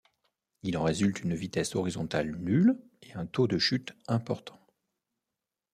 Il en résulte une vitesse horizontale nulle et un taux de chute important.